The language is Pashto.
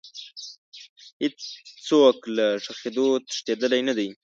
هیڅ څوک له ښخېدو تښتېدلی نه دی.